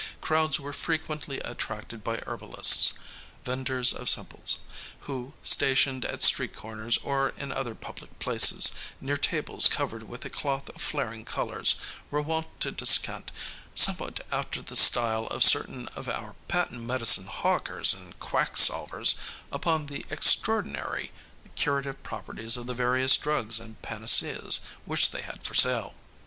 Crowds were frequently attracted by herbalists venders of simples who, stationed at street corners or in other public places, near tables covered with a cloth of flaring colors, were wont to descant, somewhat after the style of certain of our patent medicine hawkers and quack salvers, upon the extraordinary curative properties of the various drugs and panaceas which they had for sale.